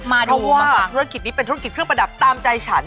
เพราะว่าธุรกิจนี้เป็นธุรกิจเครื่องประดับตามใจฉัน